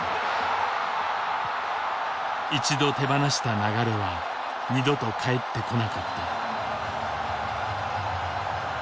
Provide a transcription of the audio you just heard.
一度手放した流れは二度と返ってこなかった。